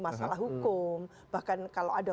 masalah hukum bahkan kalau ada